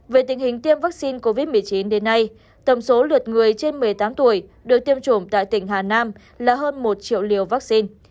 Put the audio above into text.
về tình hình tiêm vaccine covid một mươi chín đến nay tổng số lượt người trên một mươi tám tuổi được tiêm chủng tại tỉnh hà nam là hơn một triệu liều vaccine